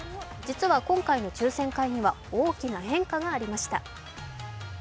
実は今回の抽選会には大きな変化がありました。